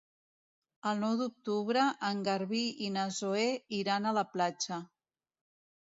El nou d'octubre en Garbí i na Zoè iran a la platja.